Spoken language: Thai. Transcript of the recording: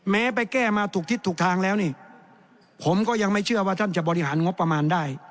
แม้ไปแก้มาถูกทิศถูกทางแล้วนี่ผมก็ยังไม่เชื่อว่าท่านจะบริหารงบประมาณได้